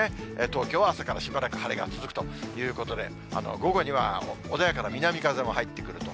東京は朝からしばらく晴れが続くということで、午後には穏やかな南風も入ってくると。